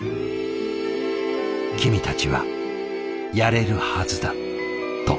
「君たちはやれるはずだ」と。